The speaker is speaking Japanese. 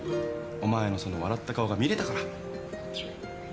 お前のその笑った顔が見れたから。